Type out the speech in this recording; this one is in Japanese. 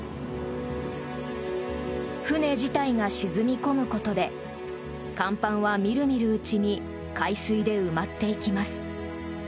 船自体が沈み込むことで甲板はみるみるうちに海水で埋まっていきます。